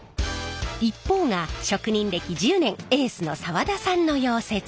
一方が職人歴１０年エースの澤田さんの溶接。